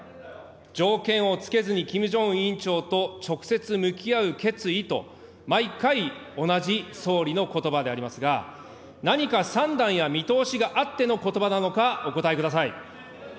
条件を付けずに金正恩委員長と直接向き合う決意と、毎回、同じ総理のことばでありますが、何か算段や見通しがあってのことばなのか、お答えください。